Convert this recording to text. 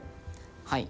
「はい。